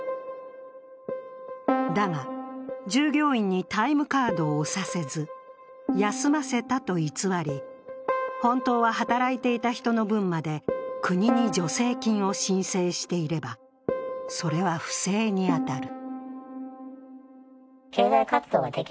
だが、従業員にタイムカードを押させず、休ませたと偽り、本当は働いていた人の分まで国に助成金を申請していれば、それは不正に当たる。